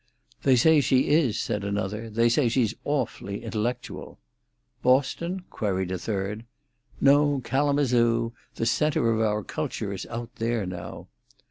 "They say she is," said another. "They say she's awfully intellectual." "Boston?" queried a third. "No, Kalamazoo. The centre of culture is out there now."